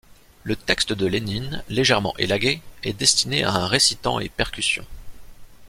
Le texte de Lénine, légèrement élagué, est destiné à un récitant et percussion.